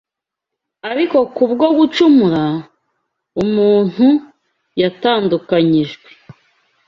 Ariko kubwo gucumura, umuntu yatandukanyijwe